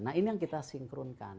nah ini yang kita sinkronkan